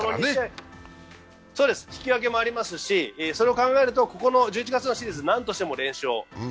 引き分けもありますし、それを考えると１１月のシリーズ何としても連勝。